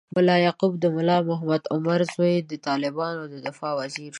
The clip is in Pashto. ملا یعقوب، د ملا محمد عمر زوی، د طالبانو د دفاع وزیر شو.